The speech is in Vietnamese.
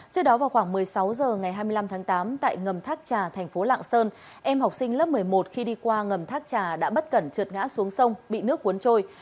trước đó vào khoảng một mươi sáu h ngày hai mươi năm tháng tám tại ngầm thác trà thành phố lạng sơn em học sinh lớp một mươi một khi đi qua ngầm thác trà đã bất cẩn trượt ngã xuống sông bị nước cuốn trôi